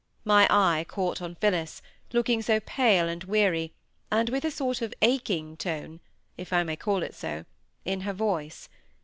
My eye caught on Phillis, looking so pale and weary, and with a sort of aching tone (if I may call it so) in her voice.